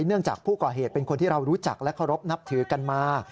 เนื่องจากผู้ก่อเหตุเป็นคนที่เรารู้จักและเคารพนับถือกันมา